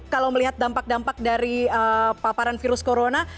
kalau melihat dampak dampak dari paparan virus corona